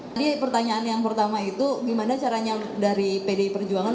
jadi pertanyaan yang pertama itu gimana caranya dari pdi perjuangan